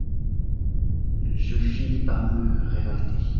Je finis par me révolter.